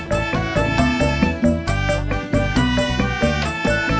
gue punya sesuatu buat kamu